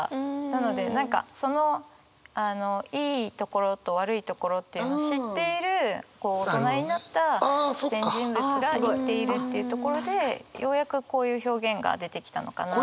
なので何かそのいいところと悪いところというのを知っているこう大人になった視点人物が言っているっていうところでようやくこういう表現が出てきたのかな。